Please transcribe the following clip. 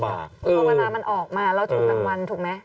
พอเวลามันออกมาเราถือสังวัญถูกไหมเออ